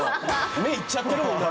目いっちゃってるもんな